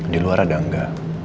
di luar ada angga